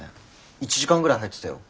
１時間ぐらい入ってたよ。